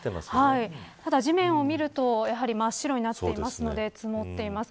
ただ、地面を見ると真っ白になっていますので積もっています。